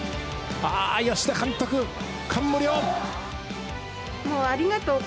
吉田監督、感無量。